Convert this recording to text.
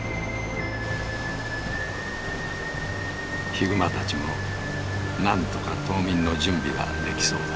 ヒグマたちもなんとか冬眠の準備ができそうだ。